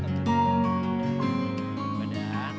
nah aisyah kebuskan